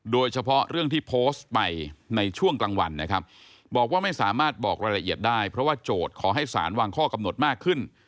โดยเฉพาะเรื่องที่โพสต์ไปในช่วงกลางวันนะครับบอกว่าไม่สามารถบอกรายละเอียดได้เพราะว่าโจทย์ขอให้สารวางข้อกำหนดมากขึ้น